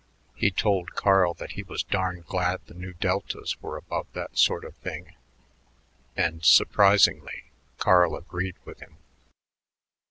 He told Carl that he was darn glad the Nu Deltas were above that sort of thing, and, surprisingly, Carl agreed with him.